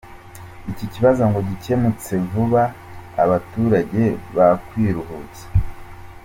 Iki kibazo ngo gikemutse vuba abaturage bakwiruhutsa.